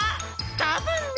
たぶんね！